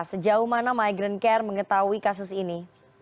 sejauh mana migrant care mengetahui kasus ini